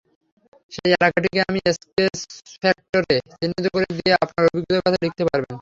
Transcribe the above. সেই এলাকাটিকে আপনি স্কেচফ্যাক্টরে চিহ্নিত করে দিয়ে আপনার অভিজ্ঞতার কথা লিখতে পারবেন।